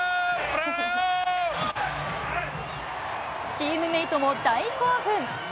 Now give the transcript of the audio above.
チームメートも大興奮。